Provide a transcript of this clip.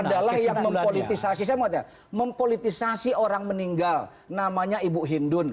adalah yang mempolitisasi saya mau tanya mempolitisasi orang meninggal namanya ibu hindun